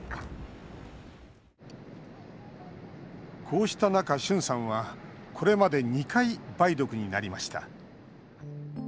こうした中、シュンさんはこれまで２回、梅毒になりました。